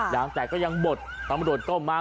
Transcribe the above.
ยางแตกก็ยังบดตำรวจก็มา